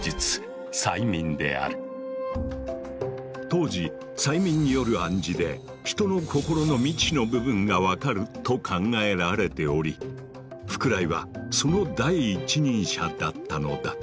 当時催眠による暗示で人の心の未知の部分が分かると考えられており福来はその第一人者だったのだ。